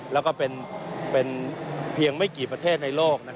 แล้วก็เป็นเพียงไม่กี่ประเทศในโลก